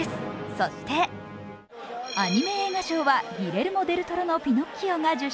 そしてアニメ映画賞は「ギレルモ・デル・トロのピノッキオ」が受賞。